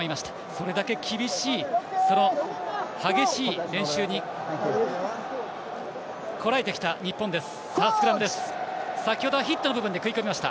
それだけ厳しい、苦しい練習にこらえてきた日本です。